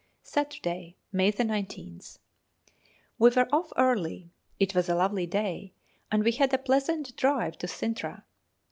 Saturday, May 19th. We were off early; it was a lovely day, and we had a pleasant drive to Cintra.